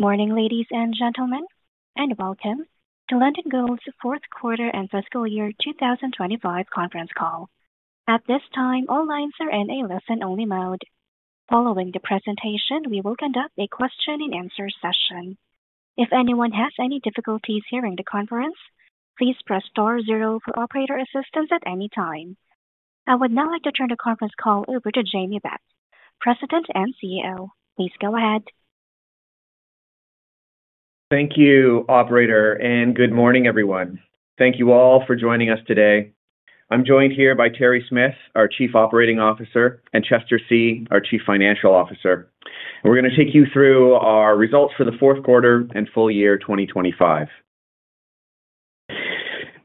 Morning, ladies and gentlemen, and welcome to Lundin Gold's Fourth Quarter and Fiscal Year 2025 Conference Call. At this time, all lines are in a listen-only mode. Following the presentation, we will conduct a question-and-answer session. If anyone has any difficulties hearing the conference, please press star zero for operator assistance at any time. I would now like to turn the conference call over to Jamie Beck, President and CEO. Please go ahead. Thank you, operator, and good morning, everyone. Thank you all for joining us today. I'm joined here by Terry Smith, our Chief Operating Officer, and Chester See, our Chief Financial Officer. We're going to take you through our results for the fourth quarter and full year 2025.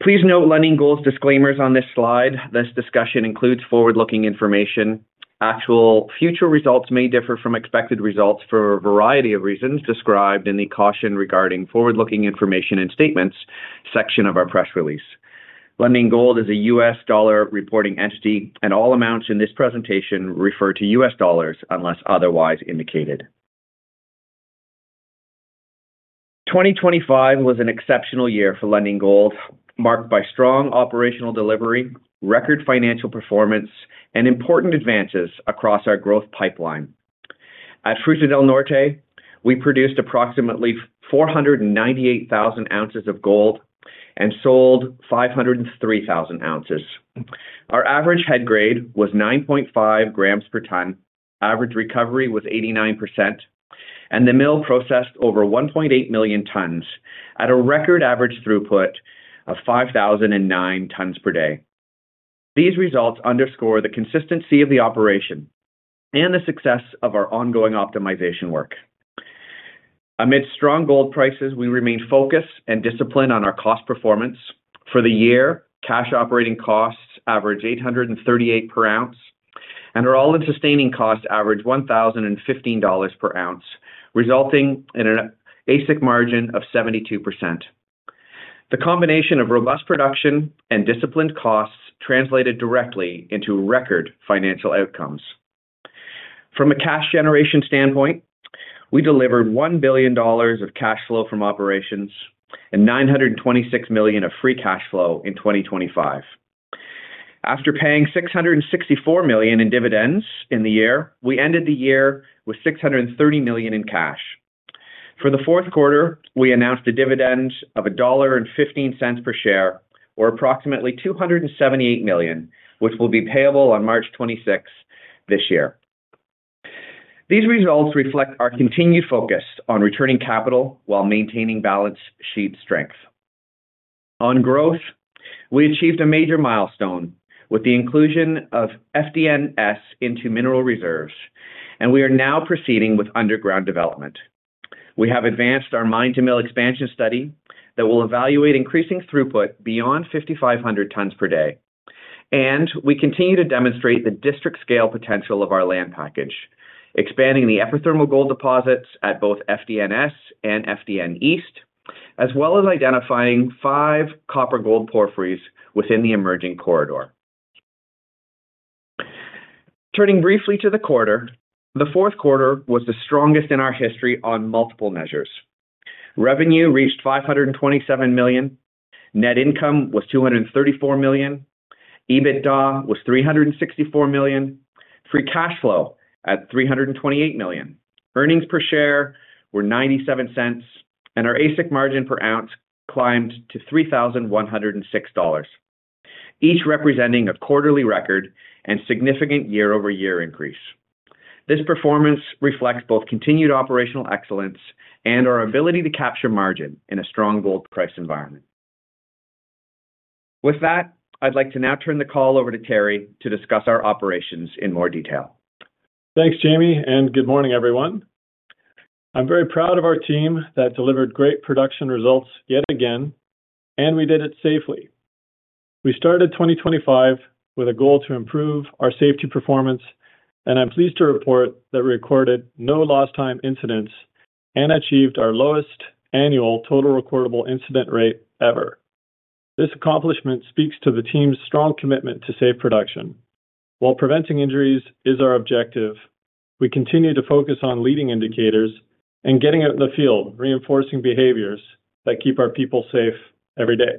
Please note Lundin Gold's disclaimers on this slide. This discussion includes forward-looking information. Actual future results may differ from expected results for a variety of reasons described in the "Caution Regarding Forward-Looking Information and Statements" section of our press release. Lundin Gold is a US dollar reporting entity, and all amounts in this presentation refer to US dollars unless otherwise indicated. 2025 was an exceptional year for Lundin Gold, marked by strong operational delivery, record financial performance, and important advances across our growth pipeline. At Fruta del Norte, we produced approximately 498,000 oz of gold and sold 503,000 oz. Our average head grade was 9.5 g/t, average recovery was 89%, and the mill processed over 1.8 million tonnes at a record average throughput of 5,009 tonnes per day. These results underscore the consistency of the operation and the success of our ongoing optimization work. Amidst strong gold prices, we remain focused and disciplined on our cost performance. For the year, cash operating costs averaged $838 per oz, and our all-in sustaining costs averaged $1,015 per oz, resulting in a basic margin of 72%. The combination of robust production and disciplined costs translated directly into record financial outcomes. From a cash generation standpoint, we delivered $1 billion of cash flow from operations and $926 million of free cash flow in 2025. After paying $664 million in dividends in the year, we ended the year with $630 million in cash. For the fourth quarter, we annozd a dividend of $1.15 per share, or approximately $278 million, which will be payable on March 26 this year. These results reflect our continued focus on returning capital while maintaining balance sheet strength. On growth, we achieved a major milestone with the inclusion of FDNS into mineral reserves, and we are now proceeding with underground development. We have advanced our mine-to-mill expansion study that will evaluate increasing throughput beyond 5,500 tonnes per day, and we continue to demonstrate the district scale potential of our land package, expanding the epithermal gold deposits at both FDNS and FDN East, as well as identifying five copper gold porphyries within the emerging corridor. Turning briefly to the quarter, the fourth quarter was the strongest in our history on multiple measures. Revenue reached $527 million, net income was $234 million, EBITDA was $364 million, free cash flow at $328 million. Earnings per share were $0.97, and our AISC margin per oz climbed to $3,106, each representing a quarterly record and significant year-over-year increase. This performance reflects both continued operational excellence and our ability to capture margin in a strong gold price environment. With that, I'd like to now turn the call over to Terry to discuss our operations in more detail. Thanks, Jamie, and good morning, everyone. I'm very proud of our team that delivered great production results yet again, and we did it safely. We started 2025 with a goal to improve our safety performance, and I'm pleased to report that we recorded no lost time incidents and achieved our lowest annual total recordable incident rate ever. This accomplishment speaks to the team's strong commitment to safe production. While preventing injuries is our objective, we continue to focus on leading indicators and getting out in the field, reinforcing behaviors that keep our people safe every day.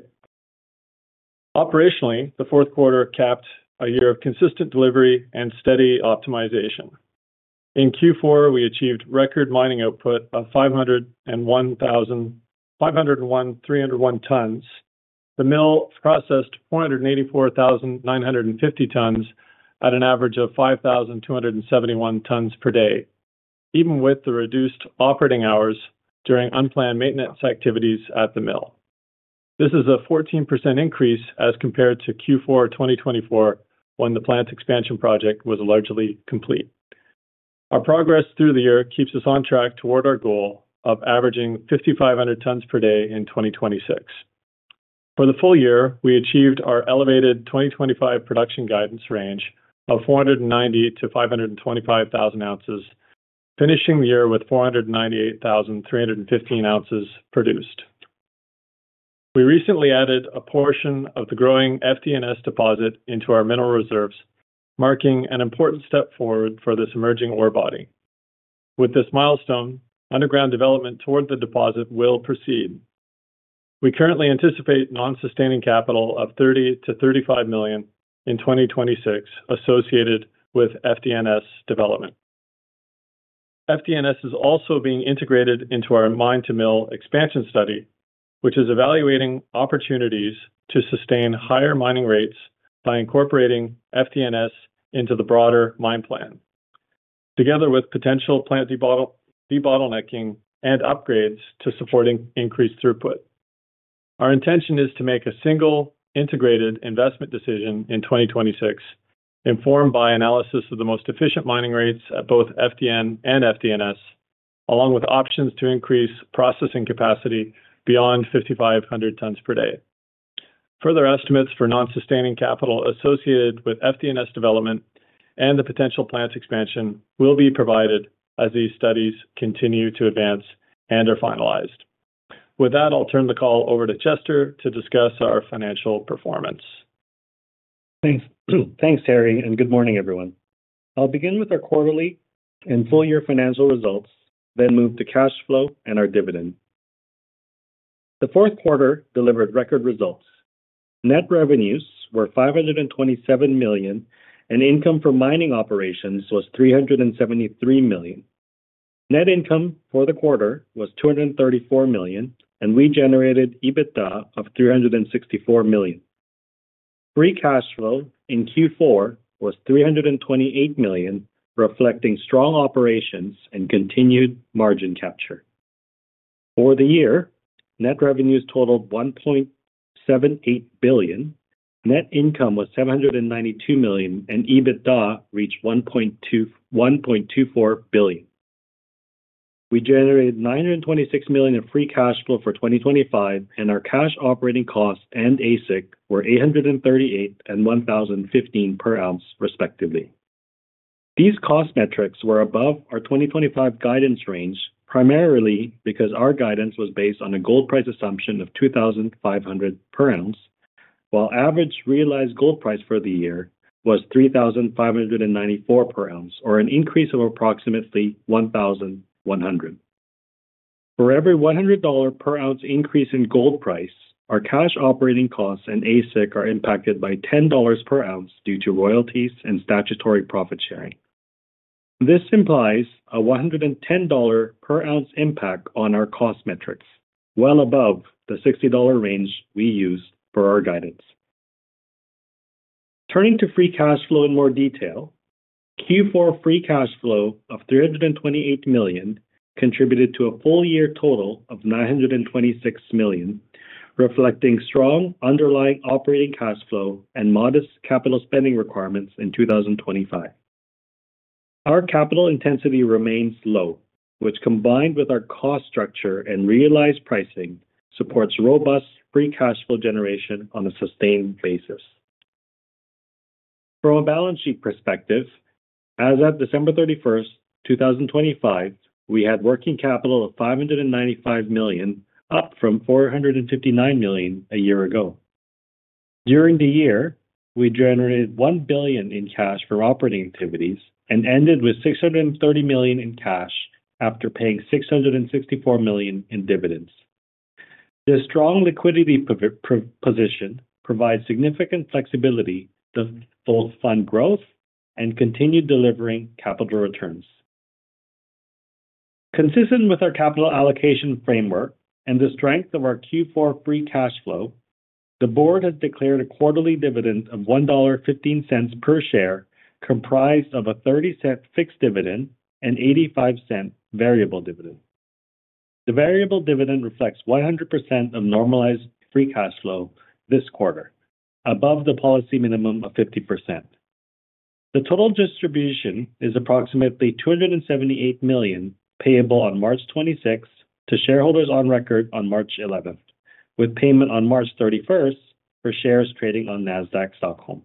Operationally, the fourth quarter capped a year of consistent delivery and steady optimization. In Q4, we achieved record mining output of 501,301 tonnes. The mill processed 484,950 tonnes at an average of 5,271 tonnes per day, even with the reduced operating hours during unplanned maintenance activities at the mill. This is a 14% increase as compared to Q4 2024, when the plant expansion project was largely complete. Our progress through the year keeps us on track toward our goal of averaging 5,500 tonnes per day in 2026. For the full year, we achieved our elevated 2025 production guidance range of 490-525,000 oz, finishing the year with 498,315 oz produced. We recently added a portion of the growing FDNS deposit into our mineral reserves, marking an important step forward for this emerging ore body. With this milestone, underground development toward the deposit will proceed. We currently anticipate non-sustaining capital of $30-$35 million in 2026 associated with FDNS development. FDNS is also being integrated into our mine-to-mill expansion study, which is evaluating opportunities to sustain higher mining rates by incorporating FDNS into the broader mine plan, together with potential plant de-bottlenecking and upgrades to supporting increased throughput. Our intention is to make a single integrated investment decision in 2026, informed by analysis of the most efficient mining rates at both FDN and FDNS, along with options to increase processing capacity beyond 5,500 tonnes per day. Further estimates for non-sustaining capital associated with FDNS development and the potential plant expansion will be provided as these studies continue to advance and are finalized. With that, I'll turn the call over to Chester to discuss our financial performance. Thanks. Thanks, Terry, and good morning, everyone. I'll begin with our quarterly and full-year financial results, then move to cash flow and our dividend. The fourth quarter delivered record results. Net revenues were $527 million, and income from mining operations was $373 million. Net income for the quarter was $234 million, and we generated EBITDA of $364 million. Free cash flow in Q4 was $328 million, reflecting strong operations and continued margin capture. For the year, net revenues totaled $1.78 billion, net income was $792 million, and EBITDA reached $1.24 billion. We generated $926 million in free cash flow for 2025, and our cash operating costs and AISC were $838 and $1,015 per oz, respectively. These cost metrics were above our 2025 guidance range, primarily because our guidance was based on a gold price assumption of $2,500 per oz, while average realized gold price for the year was $3,594 per oz or an increase of approximately $1,100. For every $100 per oz increase in gold price, our cash operating costs and AISC are impacted by $10 per oz due to royalties and statutory profit sharing. This implies a $110 per oz impact on our cost metrics, well above the $60 range we used for our guidance. Turning to free cash flow in more detail, Q4 free cash flow of $328 million contributed to a full year total of $926 million, reflecting strong underlying operating cash flow and modest capital spending requirements in 2025. Our capital intensity remains low, which, combined with our cost structure and realized pricing, supports robust free cash flow generation on a sustained basis. From a balance sheet perspective, as at December 31, 2025, we had working capital of $595 million, up from $459 million a year ago. During the year, we generated $1 billion in cash from operating activities and ended with $630 million in cash after paying $664 million in dividends. This strong liquidity position provides significant flexibility to both fund growth and continue delivering capital returns. Consistent with our capital allocation framework and the strength of our Q4 free cash flow, the Board has declared a quarterly dividend of $1.15 per share, comprised of a $0.30 fixed dividend and $0.85 variable dividend. The variable dividend reflects 100% of normalized free cash flow this quarter, above the policy minimum of 50%. The total distribution is approximately $278 million, payable on March 26 to shareholders on record on March 11, with payment on March 31 for shares trading on Nasdaq Stockholm.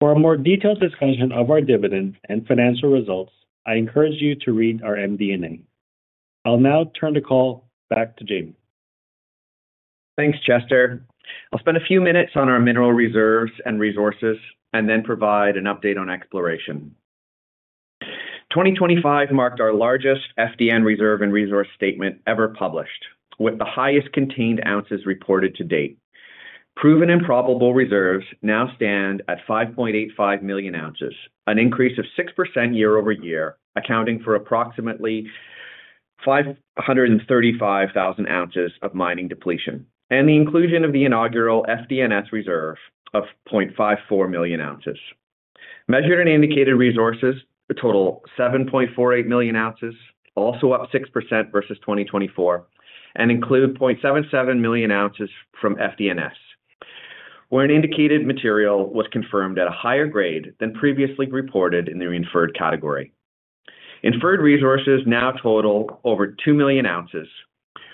For a more detailed discussion of our dividend and financial results, I encourage you to read our MD&A. I'll now turn the call back to Jamie. Thanks, Chester. I'll spend a few minutes on our mineral reserves and resources and then provide an update on exploration. 2025 marked our largest FDN reserve and resource statement ever published, with the highest contained oz reported to date. Proven and Probable Reserves now stand at 5.85 million oz, an increase of 6% year-over-year, accounting for approximately 535,000 oz of mining depletion, and the inclusion of the inaugural FDNS reserve of 0.54 million oz. Measured and Indicated Resources total 7.48 million oz, also up 6% versus 2024, and include 0.77 million oz from FDNS, where an indicated material was confirmed at a higher grade than previously reported in the inferred category. Inferred resources now total over 2 million oz,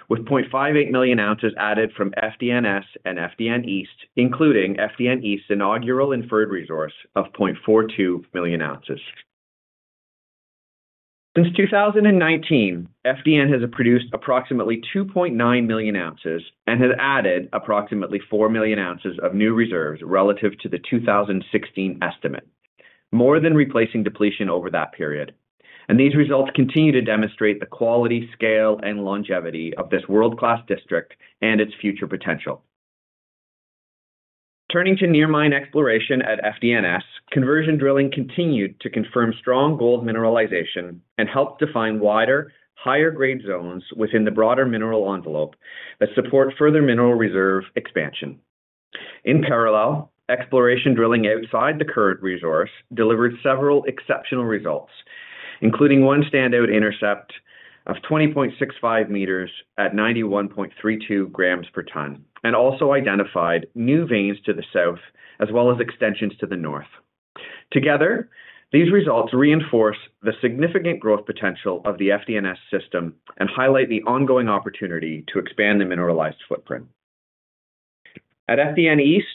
with 0.58 million oz added from FDNS and FDN East, including FDN East's inaugural inferred resource of 0.42 million oz. Since 2019, FDN has produced approximately 2.9 million oz and has added approximately 4 million oz of new reserves relative to the 2016 estimate, more than replacing depletion over that period. And these results continue to demonstrate the quality, scale, and longevity of this world-class district and its future potential. Turning to near mine exploration at FDNS, conversion drilling continued to confirm strong gold mineralization and helped define wider, higher grade zones within the broader mineral envelope that support further mineral reserve expansion. In parallel, exploration drilling outside the current resource delivered several exceptional results, including one standout intercept of 20.65 ms at 91.32 grams per tonne, and also identified new veins to the south, as well as extensions to the north. Together, these results reinforce the significant growth potential of the FDNS system and highlight the ongoing opportunity to expand the mineralized footprint. At FDN East,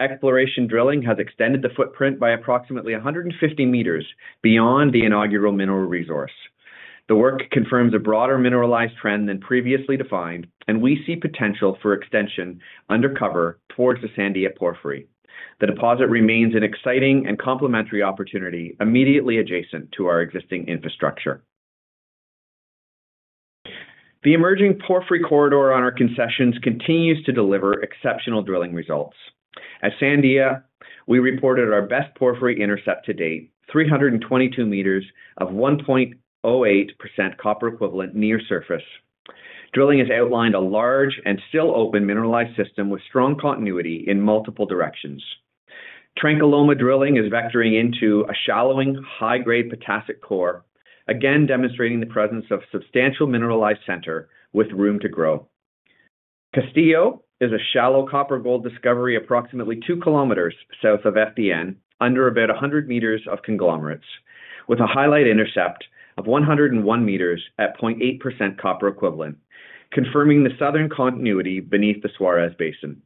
exploration drilling has extended the footprint by approximately 150 ms beyond the inaugural mineral resource. The work confirms a broader mineralized trend than previously defined, and we see potential for extension undercover towards the Sandia Porphyry. The deposit remains an exciting and complementary opportunity immediately adjacent to our existing infrastructure. The emerging porphyry corridor on our concessions continues to deliver exceptional drilling results. At Sandia, we reported our best porphyry intercept to date, 322 ms of 1.08% copper equivalent near surface. Drilling has outlined a large and still open mineralized system with strong continuity in multiple directions. Tranquiloma drilling is vectoring into a shallowing, high-grade potassic core, again demonstrating the presence of substantial mineralized center with room to grow. Castillo is a shallow copper-gold discovery approximately two km south of FDN, under about 100 ms of conglomerates, with a highlight intercept of 101 ms at 0.8% copper equivalent, confirming the southern continuity beneath the Suarez Basin.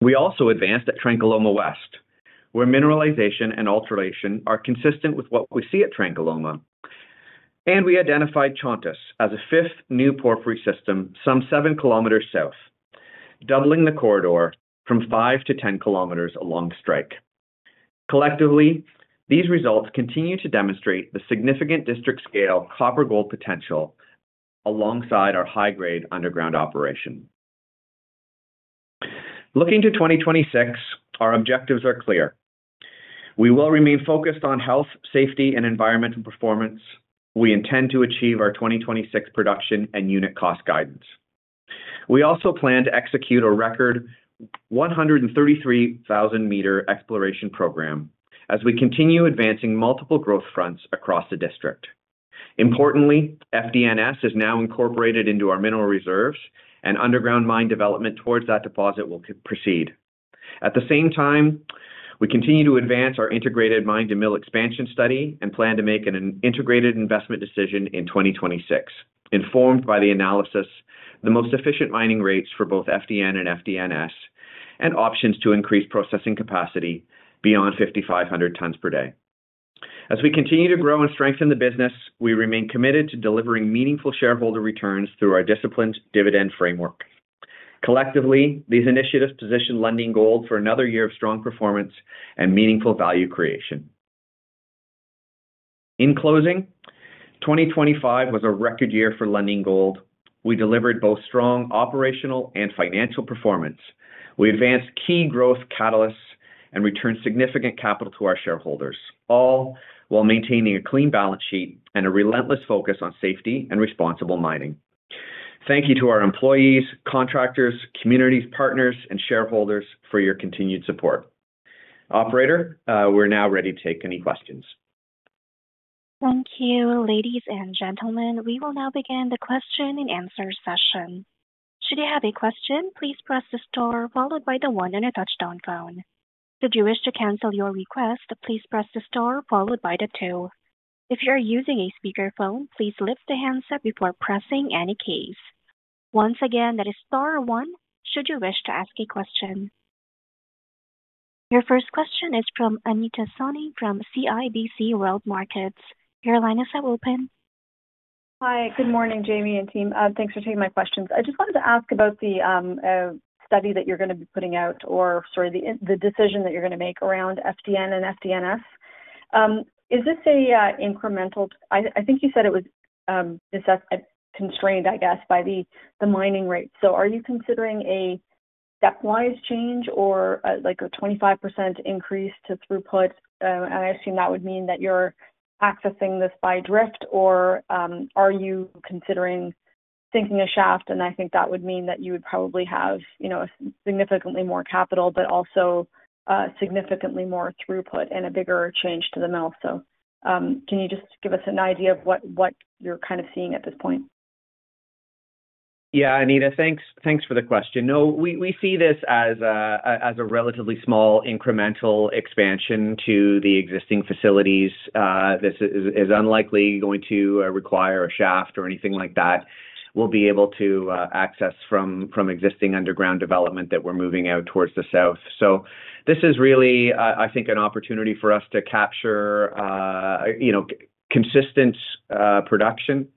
We also advanced at Tranquiloma West, where mineralization and alteration are consistent with what we see at Tranquiloma, and we identified Chontas as a fifth new porphyry system, some 7 km south, doubling the corridor from 5-10 km along strike. Collectively, these results continue to demonstrate the significant district-scale copper-gold potential alongside our high-grade underground operation. Looking to 2026, our objectives are clear. We will remain focused on health, safety, and environmental performance. We intend to achieve our 2026 production and unit cost guidance. We also plan to execute a record 133,000-m exploration program as we continue advancing multiple growth fronts across the district. Importantly, FDNS is now incorporated into our mineral reserves and underground mine development towards that deposit will proceed. At the same time, we continue to advance our integrated mine-to-mill expansion study and plan to make an integrated investment decision in 2026. Informed by the analysis, the most efficient mining rates for both FDN and FDNS, and options to increase processing capacity beyond 5,500 tonnes per day. As we continue to grow and strengthen the business, we remain committed to delivering meaningful shareholder returns through our disciplined dividend framework. Collectively, these initiatives position Lundin Gold for another year of strong performance and meaningful value creation. In closing, 2025 was a record year for Lundin Gold. We delivered both strong operational and financial performance. We advanced key growth catalysts and returned significant capital to our shareholders, all while maintaining a clean balance sheet and a relentless focus on safety and responsible mining. Thank you to our employees, contractors, communities, partners, and shareholders for your continued support. Operator, we're now ready to take any questions. Thank you, ladies and gentlemen. We will now begin the question and answer session. Should you have a question, please press the star followed by the one on your touch-tone phone. If you wish to cancel your request, please press the star followed by the two. If you are using a speakerphone, please lift the handset before pressing any keys. Once again, that is star 1 should you wish to ask a question. Your first question is from Anita Soni from CIBC World Markets. Your line is now open. Hi, good morning, Jamie and team. Thanks for taking my questions. I just wanted to ask about the study that you're gonna be putting out or sort of the decision that you're gonna make around FDN and FDNS. Is this a incremental—I think you said it was—is that constrained, I guess, by the mining rate. So are you considering a stepwise change or like a 25% increase to throughput? And I assume that would mean that you're accessing this by drift or are you considering sinking a shaft? And I think that would mean that you would probably have, you know, significantly more capital, but also significantly more throughput and a bigger change to the mill. Can you just give us an idea of what you're kind of seeing at this point? Yeah, Anita, thanks, thanks for the question. No, we see this as a relatively small incremental expansion to the existing facilities. This is unlikely going to require a shaft or anything like that. We'll be able to access from existing underground development that we're moving out towards the south. So this is really, I think, an opportunity for us to capture, you know, consistent production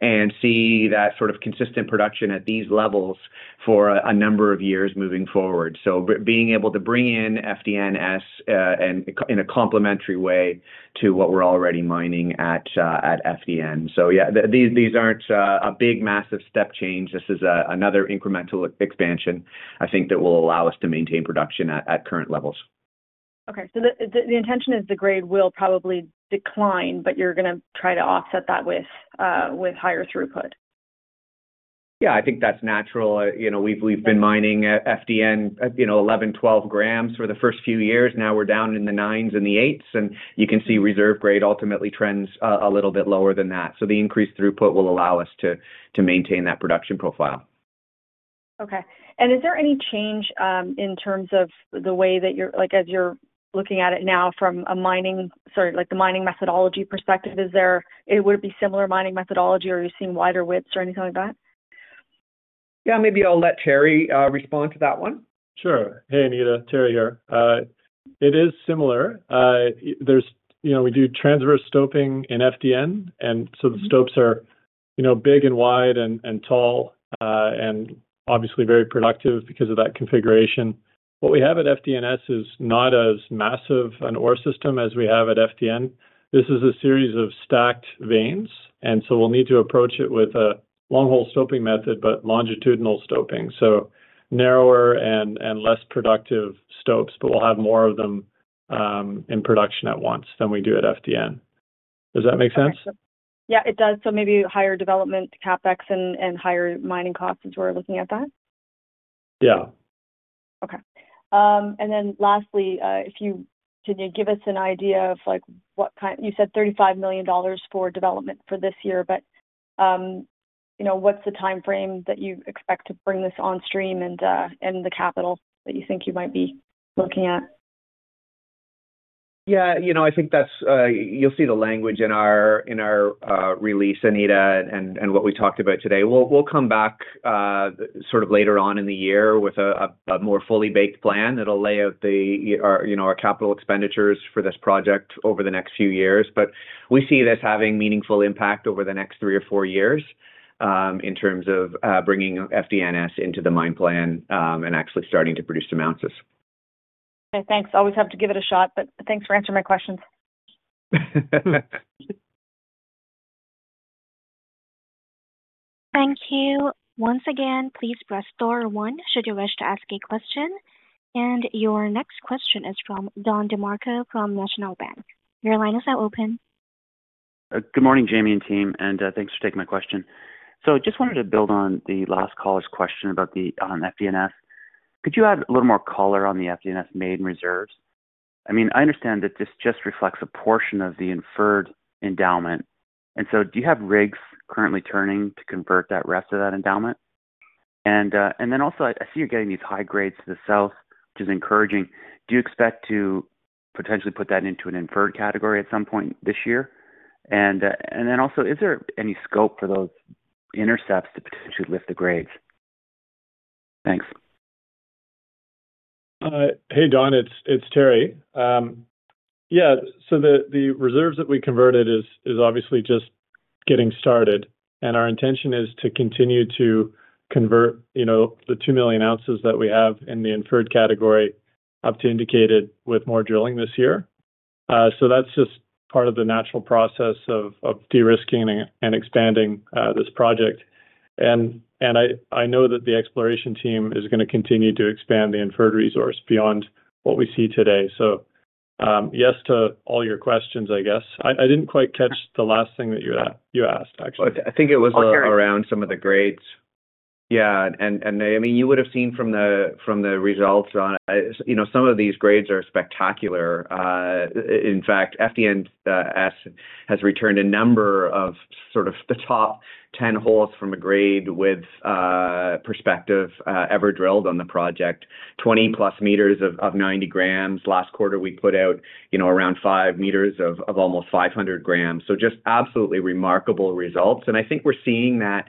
and see that sort of consistent production at these levels for a number of years moving forward. So being able to bring in FDNS and in a complementary way to what we're already mining at FDN. So yeah, these aren't a big, massive step change. This is another incremental expansion, I think, that will allow us to maintain production at current levels. Okay. So the intention is the grade will probably decline, but you're gonna try to offset that with higher throughput? Yeah, I think that's natural. You know, we've been mining at FDN, you know, 11, 12 grams for the first few years, now we're down in the 9s and the 8s, and you can see reserve grade ultimately trends a little bit lower than that. So the increased throughput will allow us to maintain that production profile. Okay. And is there any change in terms of the way that you're like, as you're looking at it now from a mining, sorry, like, the mining methodology perspective, is there. It would be similar mining methodology, or are you seeing wider widths or anything like that? Yeah, maybe I'll let Terry respond to that one. Sure. Hey, Anita. Terry here. It is similar. There's, you know, we do transverse stoping in FDN, and so the stopes are, you know, big and wide and tall, and obviously very productive because of that configuration. What we have at FDNS is not as massive an ore system as we have at FDN. This is a series of stacked veins, and so we'll need to approach it with a long hole stoping method, but longitudinal stoping, so narrower and less productive stopes, but we'll have more of them in production at once than we do at FDN. Does that make sense? Yeah, it does. So maybe higher development CapEx and higher mining costs as we're looking at that? Yeah. Okay. And then lastly, if you, can you give us an idea of, like, what kind-- you said $35 million for development for this year, but, you know, what's the timeframe that you expect to bring this on stream and, and the capital that you think you might be looking at? Yeah, you know, I think that's, you'll see the language in our release, Anita, and what we talked about today. We'll come back sort of later on in the year with a more fully baked plan that'll lay out our, you know, our capital expenditures for this project over the next few years. But we see this having meaningful impact over the next three or four years, in terms of bringing FDNS into the mine plan, and actually starting to produce some oz. Okay, thanks. I always have to give it a shot, but thanks for answering my questions. Thank you. Once again, please press star one should you wish to ask a question. Your next question is from Don DeMarco from National Bank. Your line is now open. Good morning, Jamie and team, and thanks for taking my question. So just wanted to build on the last caller's question about the FDNS. Could you add a little more color on the FDNS maiden reserves? I mean, I understand that this just reflects a portion of the inferred endowment, and so do you have rigs currently turning to convert that rest of that endowment? And then also, I see you're getting these high grades to the south, which is encouraging. Do you expect to potentially put that into an inferred category at some point this year? And then also, is there any scope for those intercepts to potentially lift the grades? Thanks. Hey, Don. It's Terry. Yeah, so the reserves that we converted is obviously just getting started, and our intention is to continue to convert, you know, the 2 million oz that we have in the Inferred category up to Indicated with more drilling this year. So that's just part of the natural process of de-risking and expanding this project. And I know that the exploration team is gonna continue to expand the Inferred Resource beyond what we see today. So, yes to all your questions, I guess. I didn't quite catch the last thing that you asked, actually. I think it was- Sure... around some of the grades. Yeah, and, and, I mean, you would've seen from the, from the results on, you know, some of these grades are spectacular. In fact, FDNS has returned a number of sort of the top 10 holes from a grade perspective ever drilled on the project, 20+ ms of 90 grams. Last quarter, we put out, you know, around 5 ms of almost 500 grams. So just absolutely remarkable results, and I think we're seeing that,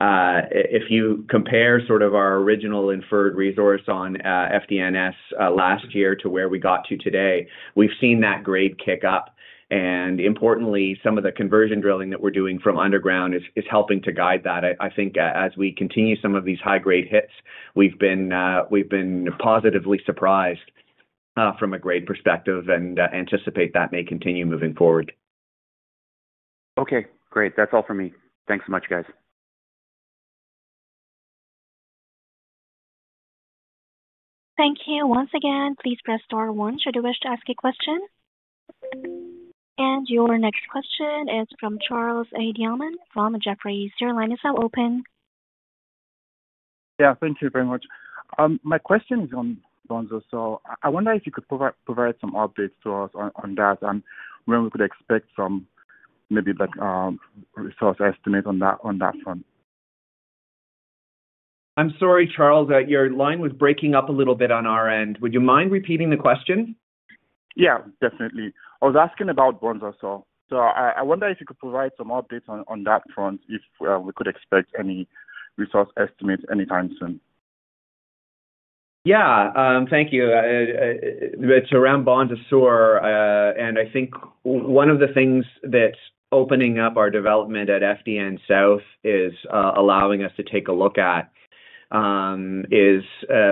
if you compare sort of our original inferred resource on FDNS last year to where we got to today, we've seen that grade kick up, and importantly, some of the conversion drilling that we're doing from underground is helping to guide that. I think as we continue some of these high-grade hits, we've been positively surprised from a grade perspective and anticipate that may continue moving forward. Okay, great. That's all for me. Thanks so much, guys. Thank you. Once again, please press star one should you wish to ask a question. Your next question is from Charles A. Diamond from Jefferies. Your line is now open. Yeah. Thank you very much. My question is on Bonza. So I wonder if you could provide some updates to us on that, and when we could expect some, maybe like, resource estimate on that front. ... I'm sorry, Charles, your line was breaking up a little bit on our end. Would you mind repeating the question? Yeah, definitely. I was asking about Bonza Sur. So I wonder if you could provide some updates on that front, if we could expect any resource estimates anytime soon. Yeah, thank you. It's around Bonza Sur, and I think one of the things that's opening up our development at FDN South is allowing us to take a look at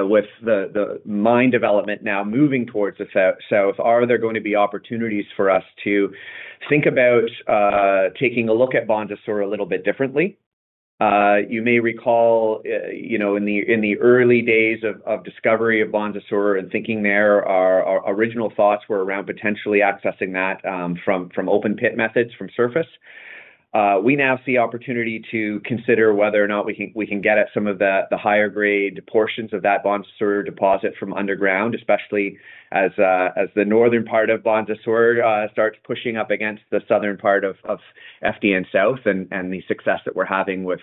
with the mine development now moving towards the South. Are there going to be opportunities for us to think about taking a look at Bonza Sur a little bit differently? You may recall, you know, in the early days of discovery of Bonza Sur and thinking there, our original thoughts were around potentially accessing that from open pit methods, from surface. We now see opportunity to consider whether or not we can, we can get at some of the, the higher grade portions of that Bonza Sur deposit from underground, especially as, as the northern part of Bonza Sur, starts pushing up against the southern part of, of FDN South, and, and the success that we're having with,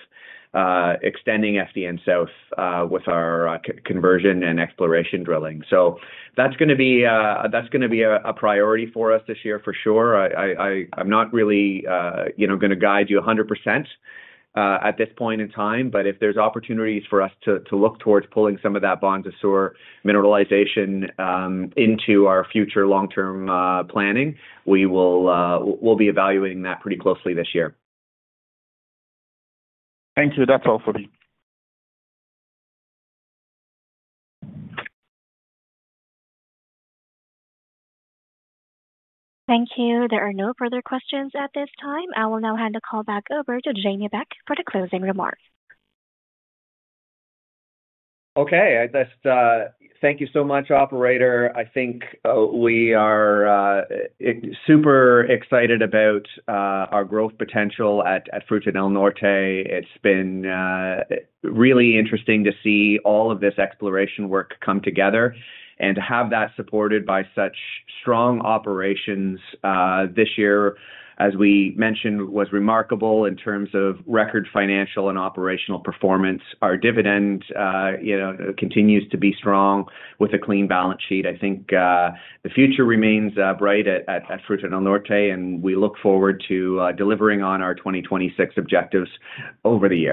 extending FDN South, with our, conversion and exploration drilling. So that's gonna be, that's gonna be a, a priority for us this year for sure. I, I, I'm not really, you know, gonna guide you 100%, at this point in time, but if there's opportunities for us to, to look towards pulling some of that Bonza Sur mineralization, into our future long-term, planning, we will, we'll be evaluating that pretty closely this year. Thank you. That's all for me. Thank you. There are no further questions at this time. I will now hand the call back over to Jamie Beck for the closing remarks. Okay. I just thank you so much, operator. I think we are super excited about our growth potential at Fruta del Norte. It's been really interesting to see all of this exploration work come together and to have that supported by such strong operations this year, as we mentioned, was remarkable in terms of record financial and operational performance. Our dividend, you know, continues to be strong with a clean balance sheet. I think the future remains bright at Fruta del Norte, and we look forward to delivering on our 2026 objectives over the year.